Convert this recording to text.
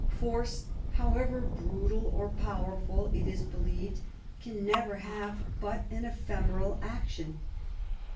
Force, however brutal or powerful it is beheved, can never have but an ephemeral action.